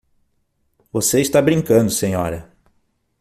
Você está brincando, senhora!